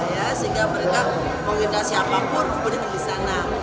maka menggunakan siapapun kemudian ke sana